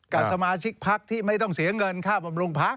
กับสมาชิกพักที่ไม่ต้องเสียเงินค่าบำรุงพัก